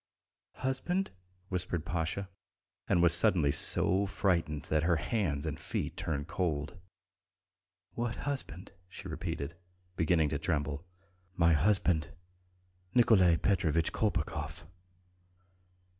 "Husband?" whispered Pasha, and was suddenly so frightened that her hands and feet turned cold. "What husband?" she repeated, beginning to tremble. "My husband, ... Nikolay Petrovitch Kolpakov."